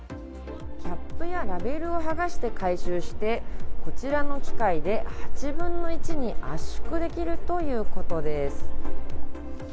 キャップやラベルを剥がして回収してこちらの機械で８分の１に圧縮できるということです。